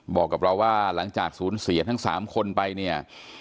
บอกกับเราว่าหลังจากศูนย์เสียทั้ง๓คนไปเนี่ย